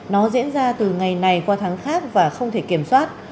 nó diễn ra từ ngày này qua tháng khác và không thể kiểm soát